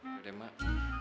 udah deh mak